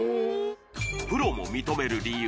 プロも認める理由